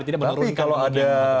tapi kalau ada